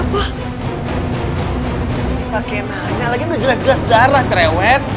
pak kenanya lagi udah jelas jelas darah cerewet